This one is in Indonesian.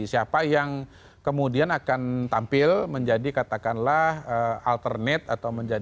siapa yang kemudian akan tampil menjadi katakanlah alternate